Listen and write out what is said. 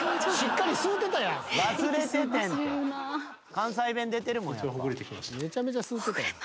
関西弁出てるもんやっぱ。